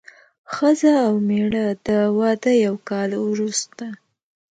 ښځه او مېړه د واده یو کال وروسته.